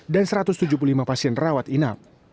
dan satu ratus tujuh puluh lima pasien rawat inap